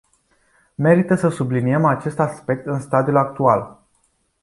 Merită să subliniem acest aspect în stadiul actual.